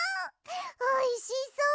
おいしそう！